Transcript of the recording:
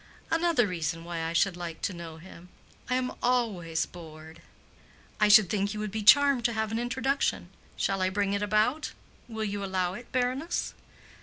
"Another reason why I should like to know him. I am always bored." "I should think he would be charmed to have an introduction. Shall I bring it about? Will you allow it, baroness?"